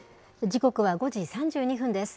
時刻は５時３２分です。